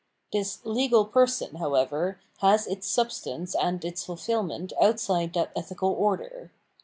This legal person, however, has its substance and its fulfilment outside that ethical order.